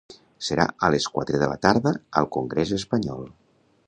Serà a les quatre de la tarda al congrés espanyol.